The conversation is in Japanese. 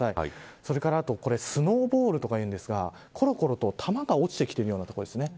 それからスノーボールとか言うんですがころころと、玉が落ちてきてるような所ですね。